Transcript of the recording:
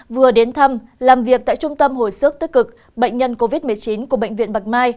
vừa đến thăm làm việc tại trung tâm hồi sức tích cực bệnh nhân covid một mươi chín của bệnh viện bạch mai